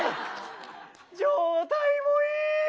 状態もいい。